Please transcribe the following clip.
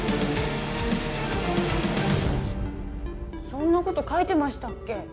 そんな事書いてましたっけ？